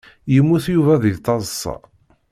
Yemmut Yuba deg taḍsa.